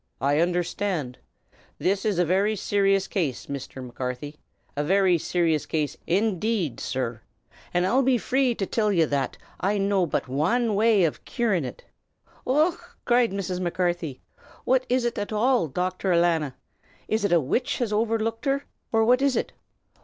"I understand. This is a very sirrious case, Misther Macarthy, a very sirrious case _in_dade, sirr; an' I'll be free to till ye that I know but wan way av curin' it." "Och, whirrasthru!" cried Mrs. Macarthy. "What is it at all, Docthor alanna? Is it a witch has overlooked her, or what is it?